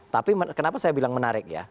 tapi kenapa saya bilang menarik ya